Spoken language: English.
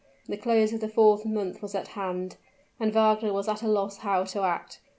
The close of the fourth month was at hand, and Wagner was at a loss how to act.